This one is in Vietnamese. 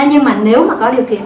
nhưng mà nếu mà có điều kiện